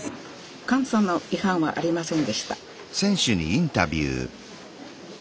監査の違反はありませんでした。